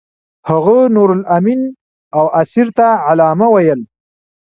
هغه نورالامین او اسیر ته علامه ویل.